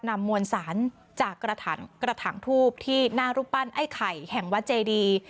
มวลสารจากกระถางทูบที่หน้ารูปปั้นไอ้ไข่แห่งวัดเจดี